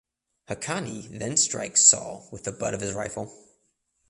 Haqqani then strikes Saul with the butt of his rifle.